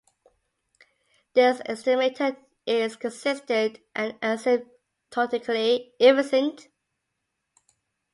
This estimator is consistent and asymptotically efficient.